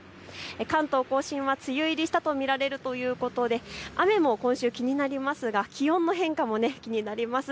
関東甲信は梅雨入りしたと見られるということで雨も今週気になりますが気温の変化も気になります。